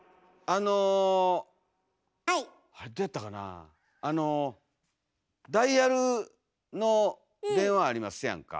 あれどうやったかなあのダイヤルの電話ありますやんか。